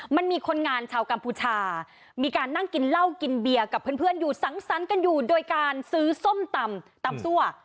มันมีคนงานชาวกัมพูชามีการนั่งกินเหล้ากินเบียร์กับเพื่อนอยู่สังสรรค์กันอยู่โดยการซื้อส้มตำตำซั่ว